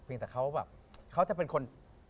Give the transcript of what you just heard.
แต่เขาแบบเขาจะเป็นคน